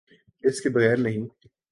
اس کے بغیر نہیں۔